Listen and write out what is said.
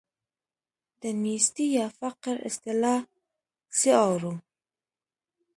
د نیستۍ یا فقر اصطلاح چې اورو.